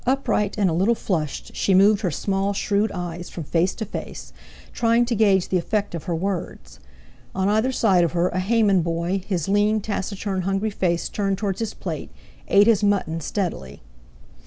Upright and a little flushed, she moved her small, shrewd eyes from face to face, trying to gauge the effect of her words. On either side of her a Hayman boy, his lean, taciturn, hungry face turned towards his plate, ate his mutton steadily.